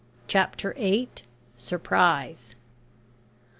CHAPTER EIGHT. SURPRISE.